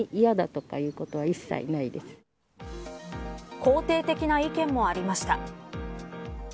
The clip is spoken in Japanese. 肯定的な意見もありました。